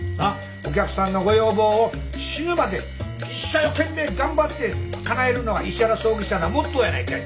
お客さんのご要望を死ぬまで一生懸命頑張ってかなえるのが石原葬儀社のモットーやないかい。